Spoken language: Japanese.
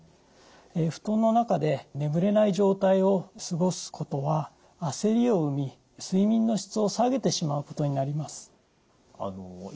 布団の中で眠れない状態を過ごすことは焦りを生み睡眠の質を下げてしまうことになります。